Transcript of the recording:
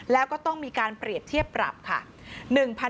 แล้วก็ต้องมีการเปรียบเทียบปรับค่ะ